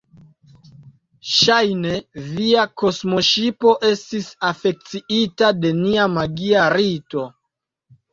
Ŝajne, via kosmoŝipo estis afekciita de nia magia rito.